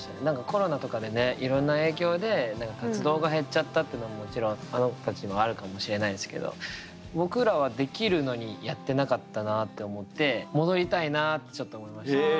コロナとかでねいろんな影響で活動が減っちゃったってのももちろんあの子たちにもあるかもしれないですけどって思って戻りたいなあってちょっと思いましたね。